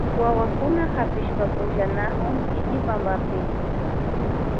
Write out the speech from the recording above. Wawakuna hapishpa pukllanakun kiki pampapi.